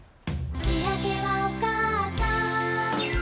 「しあげはおかあさん」